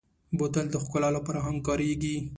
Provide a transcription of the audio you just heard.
بوتل د ښکلا لپاره هم کارېږي.